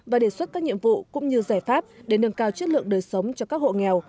và đề xuất các nhiệm vụ cũng như giải pháp để nâng cao chất lượng đời sống cho các hộ nghèo